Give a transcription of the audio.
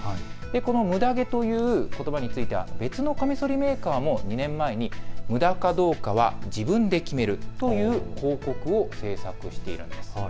このむだ毛ということばについては別のかみそりメーカーも２年前にむだかどうかは自分で決めるという広告を制作しています。